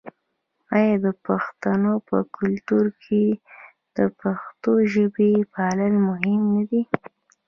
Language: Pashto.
آیا د پښتنو په کلتور کې د پښتو ژبې پالل مهم نه دي؟